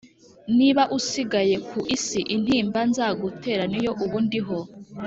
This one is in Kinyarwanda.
niba usigaye ku isi intimba nzagutera niyo ubu ndiho